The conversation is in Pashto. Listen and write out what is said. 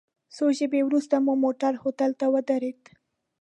څو شېبې وروسته مو موټر هوټل ته ودرید.